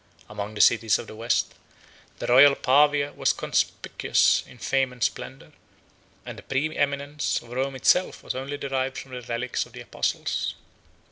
Among the cities of the West, the royal Pavia was conspicuous in fame and splendor; and the preeminence of Rome itself was only derived from the relics of the apostles.